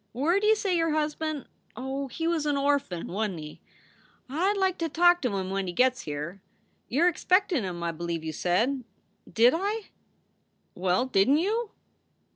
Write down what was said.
Where d you say your husband Oh, he was an orphan, wa n t he? I d like to talk to him when he gits here. You re expectin him, I believe you said." "Did I?" "Well, didn t you?"